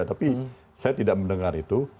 tapi saya tidak mendengar itu